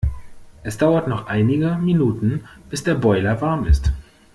Es dauert noch einige Minuten bis der Boiler warm ist.